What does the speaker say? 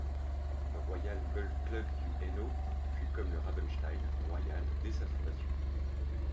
Le Royal Golf Club du Hainaut fut, comme le Ravenstein, royal dès sa fondation.